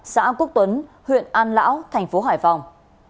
xã quốc tuấn huyện an lão thành phố hải phòng